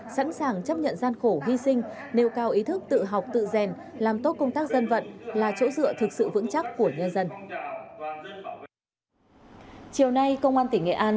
sẵn sàng chấp nhận gian khổ hy sinh nêu cao ý thức tự học tự rèn làm tốt công tác dân vận là chỗ dựa thực sự vững chắc của nhân dân